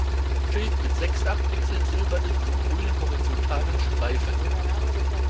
Schild mit sechs abwechselnd silbernen und grünen horizontalen Streifen.